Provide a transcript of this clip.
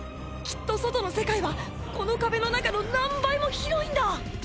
きっと外の世界はこの壁の中の何倍も広いんだ！